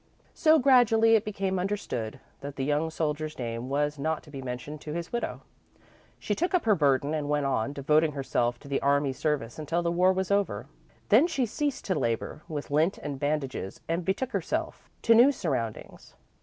So, gradually, it became understood that the young soldier's name was not to be mentioned to his widow. She took up her burden and went on, devoting herself to the army service until the war was over. Then she ceased to labour with lint and bandages and betook herself to new surroundings.